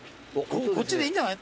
こっちでいいんじゃない？